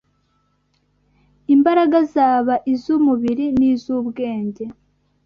Imbaraga zaba iz’umubiri n’iz’ubwenge